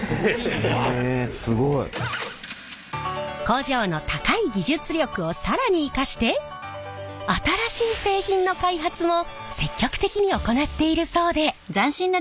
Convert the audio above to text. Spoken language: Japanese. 工場の高い技術力を更に生かして新しい製品の開発も積極的に行っているそうで。